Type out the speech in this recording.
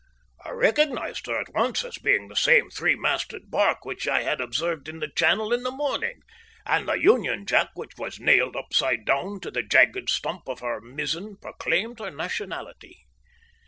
I recognised her at once as being the same three masted barque which I had observed in the Channel in the morning, and the Union Jack which was nailed upside down to the jagged slump of her mizzen proclaimed her nationality.